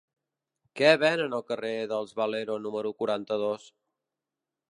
Què venen al carrer dels Valero número quaranta-dos?